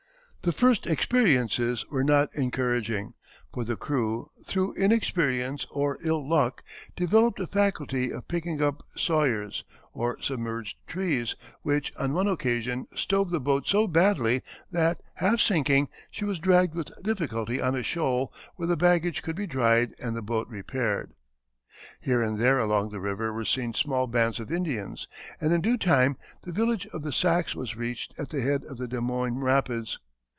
The first experiences were not encouraging, for the crew, through inexperience or ill luck, developed a faculty of picking up sawyers, or submerged trees, which on one occasion stove the boat so badly that, half sinking, she was dragged with difficulty on a shoal where the baggage could be dried and the boat repaired. [Illustration: General Z. M. Pike.] Here and there along the river were seen small bands of Indians, and in due time the village of the Sacs was reached at the head of the Des Moines rapids.